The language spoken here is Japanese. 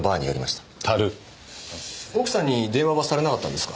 奥さんに電話はされなかったんですか？